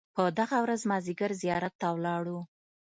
په دغه ورځ مازیګر زیارت ته ولاړو.